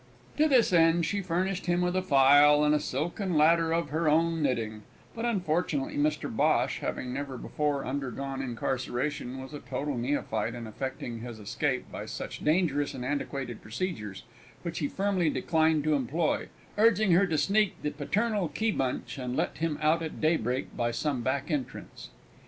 To this end she furnished him with a file and a silken ladder of her own knitting but unfortunately Mr Bhosh, having never before undergone incarceration, was a total neophyte in effecting his escape by such dangerous and antiquated procedures, which he firmly declined to employ, urging her to sneak the paternal keybunch and let him out at daybreak by some back entrance.